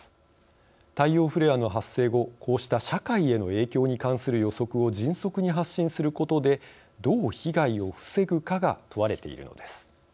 太陽フレアの発生後こうした社会への影響に関する予測を迅速に発信することで「どう被害を防ぐか」が問われているのです。